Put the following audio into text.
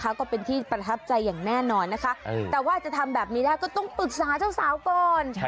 ก็เป็นที่ประทับใจอย่างแน่นอนนะคะแต่ว่าจะทำแบบนี้ได้ก็ต้องปรึกษาเจ้าสาวก่อน